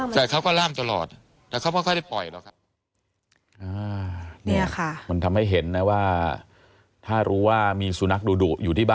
จนแล้วผมก็